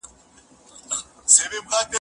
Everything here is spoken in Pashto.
چې هیڅوک د هیچا هیڅ نه کیږي.